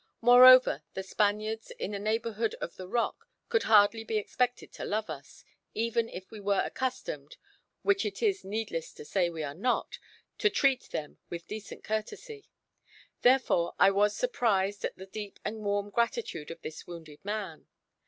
Moreover, the Spaniards, in the neighbourhood of the Rock, could hardly be expected to love us, even if we were accustomed, which it is needless to say we are not, to treat them with decent courtesy. Therefore I was surprised at the deep and warm gratitude of this wounded man.